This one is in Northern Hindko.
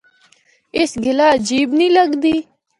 اس گلا عجیب نیں لگدی۔